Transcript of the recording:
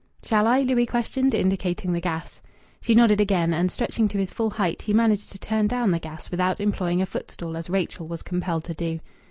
"Shall I?" Louis questioned, indicating the gas. She nodded again, and, stretching to his full height, he managed to turn the gas down without employing a footstool as Rachel was compelled to do.